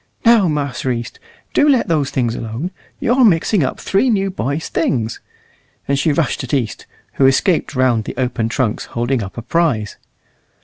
Now, Master East, do let those things alone. You're mixing up three new boys' things." And she rushed at East, who escaped round the open trunks holding up a prize.